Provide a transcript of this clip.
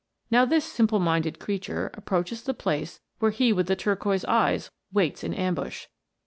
Now this simple minded creature approaches the place where he with the turquoise eyes waits in ambush.